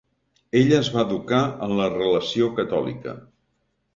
Ella es va educar en la relació catòlica.